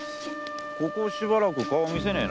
ここしばらく顔見せねえなあ。